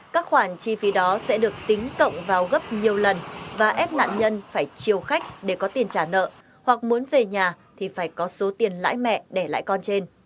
các khoản chi phí đó sẽ được tính cộng vào gấp nhiều lần và ép nạn nhân phải chiều khách để có tiền trả nợ hoặc muốn về nhà thì phải có số tiền lãi mẹ để lãi con trên